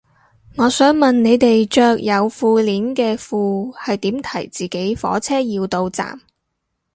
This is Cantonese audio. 我想問你哋着有褲鏈嘅褲係點提自己火車要到站